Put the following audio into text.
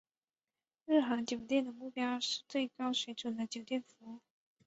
日航酒店的目标是最高水准的酒店服务。